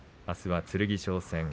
あすは剣翔戦。